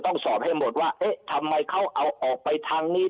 สอบให้หมดว่าเอ๊ะทำไมเขาเอาออกไปทางนี้